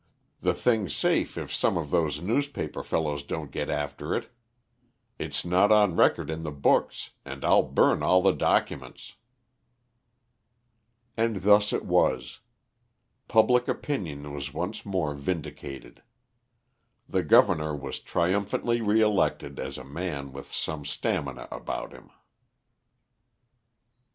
The thing's safe if some of those newspaper fellows don't get after it. It's not on record in the books, and I'll burn all the documents." And thus it was. Public opinion was once more vindicated. The governor was triumphantly re elected as a man with some stamina about him.